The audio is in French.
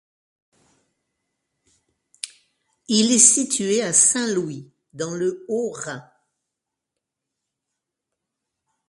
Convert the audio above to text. Il est situé à Saint-Louis dans le Haut-Rhin.